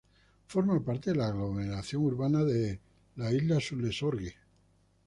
Forma parte de la aglomeración urbana de L'Isle-sur-la-Sorgue.